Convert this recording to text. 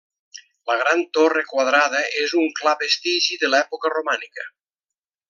La gran torre quadrada és un clar vestigi de l'època romànica.